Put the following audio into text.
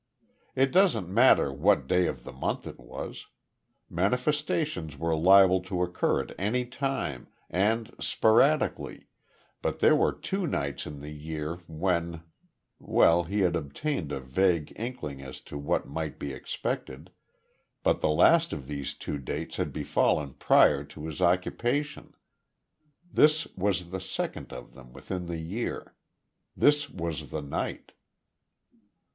It doesn't matter what day of the month it was. Manifestations were liable to occur at any time, and sporadically, but there were two nights in the year when Well he had obtained a vague inkling as to what might be expected, but the last of these two dates had befallen prior to his occupation. This was the second of them within the year. This was the night.